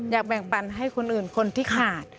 อยากแบ่งปันให้คนอื่นคนที่ขาด